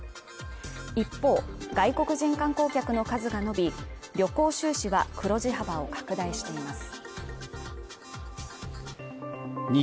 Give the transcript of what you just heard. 一方、外国人観光客の数が伸び旅行収支は黒字幅を拡大しています。